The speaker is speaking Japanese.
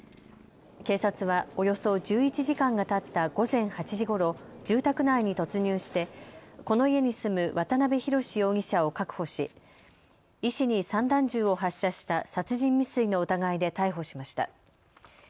警察はおよそ１１時間がたった午前８時ごろ、住宅内に突入してこの家に住む渡邊宏容疑者を確保し医師に散弾銃を発射した殺人未遂の疑いで逮捕しました。